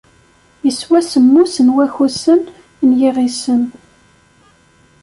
Yeswa semmus n wakusen n yiɣisem.